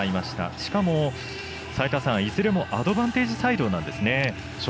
しかも、いずれもアドバンテージサイドなんですね。